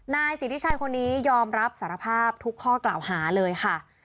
นายสิทธิชัยคนนี้ยอมรับสารภาพทุกข้อกล่าวหาเลยค่ะ